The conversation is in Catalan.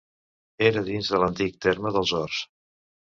Era dins de l'antic terme dels Horts.